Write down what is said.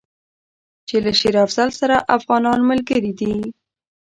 چې له شېر افضل سره افغانان ملګري دي.